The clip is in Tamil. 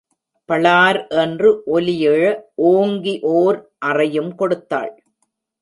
பளார் என்று ஒலியெழ ஓங்கி ஓர் அறையும் கொடுத்தாள்.